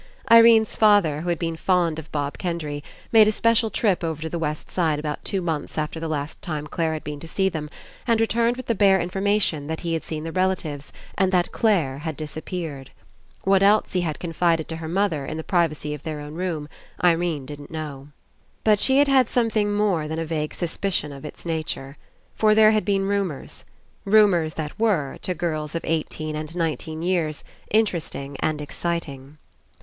Irene's father, who had been fond of Bob Kendry, made a special trip over to the ^4 ENCOUNTER west side about two months after the last time Clare had been to see them and returned with the bare information that he had seen the rela tives and that Clare had disappeared. What else he had confided to her mother, in the pri vacy of their own room, Irene didn't know. But she had had something more than a vague suspicion of its nature. For there had been rumours. Rumours that were, to girls of eighteen and nineteen years, interesting and exciting.